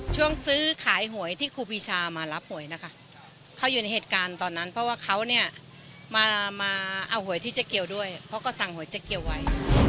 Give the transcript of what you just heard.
ซื้อขายหวยที่ครูปีชามารับหวยนะคะเขาอยู่ในเหตุการณ์ตอนนั้นเพราะว่าเขาเนี่ยมาเอาหวยที่เจ๊เกียวด้วยเขาก็สั่งหวยเจ๊เกียวไว้